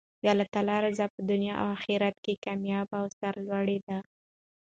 د الله تعالی رضاء په دنیا او اخرت کښي کاميابي او سر لوړي ده.